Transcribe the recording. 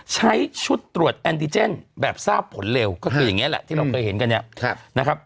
ใช้ชุดตรวจแอนติเจนแบบทราบผลเร็วก็คืออย่างนี้แหละที่เราเคยเห็นกันเนี่ยนะครับ